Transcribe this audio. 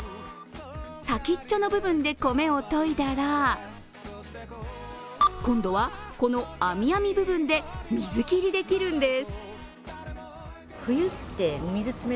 先っちょの部分で米をといだら、今度はこのあみあみ部分で水切りできるんです。